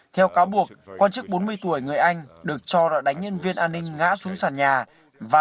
theo cáo buộc quan chức bốn mươi tuổi người anh được cho là đánh nhân viên an ninh ngã xuống sàn nhà và